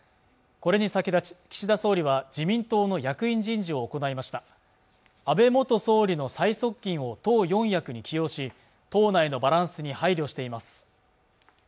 これに先立ち岸田総理は自民党の役員人事を行いました安倍元総理の最側近を党四役に起用し党内のバランスに配慮しています